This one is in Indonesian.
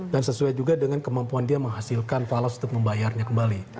dan sesuai juga dengan kemampuan dia menghasilkan falafel untuk membayarnya kembali